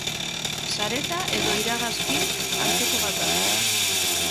Sareta edo iragazki antzeko bat da.